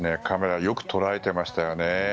カメラよく捉えていましたよね。